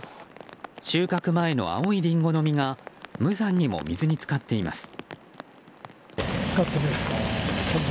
収穫前の青いリンゴの実が無残にも水に浸かっています。